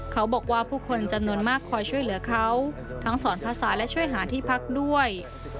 เขาบอกว่าผู้คนจำนวนมากคอยช่วยเหลือเขาทั้งสอนภาษาและช่วยหาที่พักด้วย